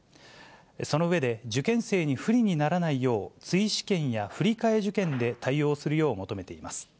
その上で、受験生に不利にならないよう、追試験や振り替え受験で対応するよう求めています。